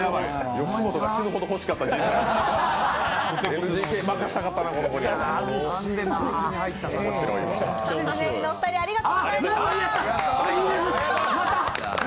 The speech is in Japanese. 吉本が死ぬほどほしかった人材ですよ。